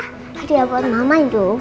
hadiah buat mama